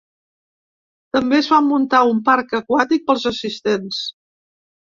També es va muntar un parc aquàtic pels assistents.